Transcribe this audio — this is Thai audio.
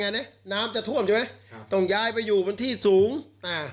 เนี้ยน้ำจะท่วมใช่ไหมครับต้องย้ายไปอยู่บนที่สูงอ่า